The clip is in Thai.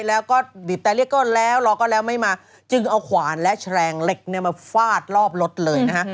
แล้วก็บีบแต่เรียกก็แล้วรอก็แล้วไม่มาจึงเอาขวานและแรงเหล็กเนี่ยมาฟาดรอบรถเลยนะฮะ